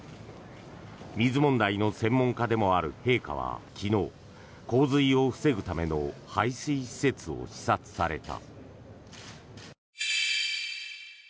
水問題の専門家でもある陛下は昨日洪水を防ぐための排水施設を視察された。